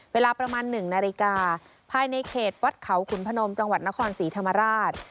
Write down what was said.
เวลาประมาณ๑นาฬิกาภายในเขตวัดเขาขุนพนมจังหวัดนครศรีธรรมราช